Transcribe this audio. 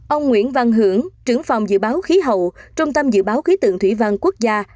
ông nguyễn văn hưởng trưởng phòng dự báo khí hậu trung tâm dự báo khí tượng thủy văn quốc gia